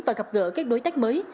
và gặp gỡ các đối tác mới